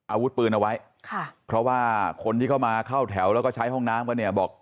อาวุธปืนเอาไว้ค่ะเพราะว่าคนที่เข้ามาเข้าแถวแล้วก็ใช้ห้องน้ำกันเนี่ยบอก